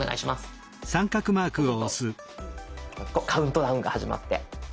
そうするとカウントダウンが始まって。